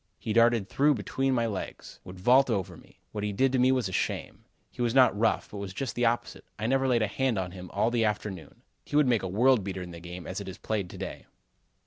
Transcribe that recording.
He darted through between my legs; would vault over me; what he did to me was a shame. He was not rough, but was just the opposite. I never laid a hand on him all the afternoon. He would make a world beater in the game as it is played to day."